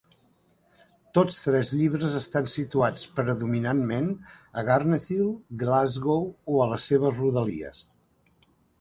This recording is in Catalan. Tots tres llibres estan situats predominantment a Garnethill, Glasgow, o a les seves rodalies.